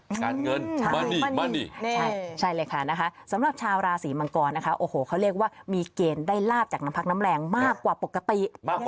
งานเงินมานี่มานี่ใช่เลยค่ะนะคะสำหรับชาวราศีมังกรนะคะโอ้โหเขาเรียกว่ามีเกณฑ์ได้ลาบจากน้ำพักน้ำแรงมากกว่าปกติ